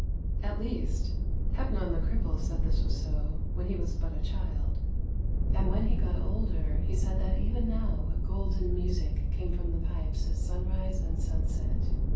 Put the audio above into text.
At least Hepnon the cripple said this was so, when he was but a child, and when he got older he said that even now a golden music came from the pipes at sunrise and sunset.